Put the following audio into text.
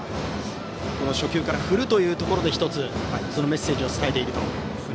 初球から振るというところでメッセージを伝えているという。